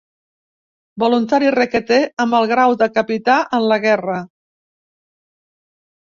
Voluntari requeté amb el grau de capità en la guerra.